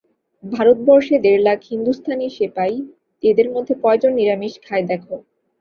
ভারতবর্ষে দেড় লাখ হিন্দুস্থানী সেপাই, এদের মধ্যে কয়জন নিরামিষ খায় দেখ।